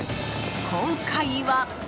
今回は。